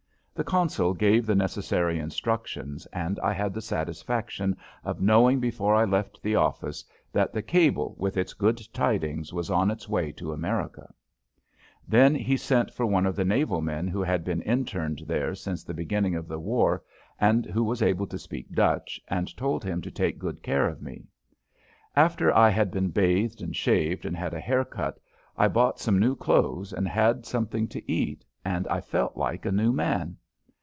The consul gave the necessary instructions, and I had the satisfaction of knowing before I left the office that the cable, with its good tidings, was on its way to America. Then he sent for one of the naval men who had been interned there since the beginning of the war and who was able to speak Dutch, and told him to take good care of me. After I had been bathed and shaved and had a hair cut, I bought some new clothes and had something to eat, and I felt like a new man.